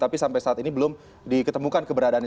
tapi sampai saat ini belum diketemukan keberadaan